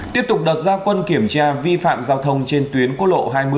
tiếp tục đợt gia quân kiểm tra vi phạm giao thông trên tuyến quốc lộ hai mươi